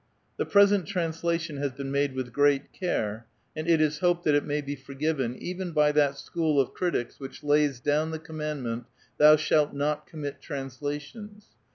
The present translation has been made with great care, and it is hoped that it msiy be forgiven, even by that school of critics which lays down the commandment, " Thou shalt not commit translations."